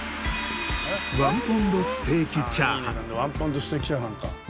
１ポンドステーキチャーハンか。